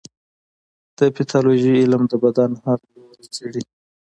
د پیتالوژي علم د بدن هر بدلون څېړي.